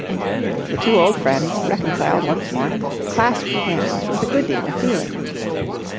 The two old friends, reconciled once more, clasped hands with a good deal of feeling.